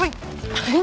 baik baik baik